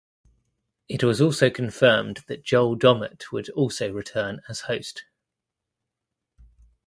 It was also confirmed that Joel Dommett would also return as host.